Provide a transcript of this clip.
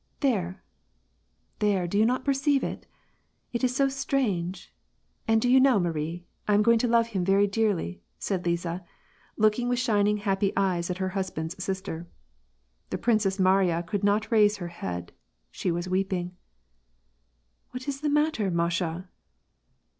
" There I there, do you perceive it ? It is so strange. And do you know, Marie, I am going to love him very dearly," said Liza, looking with shining happy eyes at her husband^s sister. The Princess Mariya could not raise her head : she was weeping. " What is the matter, Masha